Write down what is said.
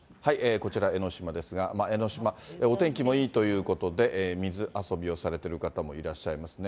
こちら、江の島ですが、江の島、お天気もいいということで、水遊びをされてる方もいらっしゃいますね。